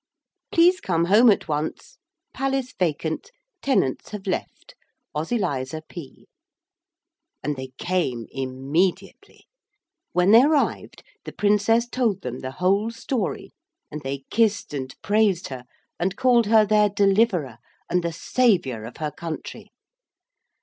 Please come home at once. Palace vacant. Tenants have left. Ozyliza P. And they came immediately. When they arrived the Princess told them the whole story, and they kissed and praised her, and called her their deliverer and the saviour of her country.